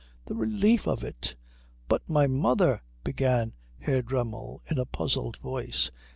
The relief of it...." "But my mother " began Herr Dremmel in a puzzled voice.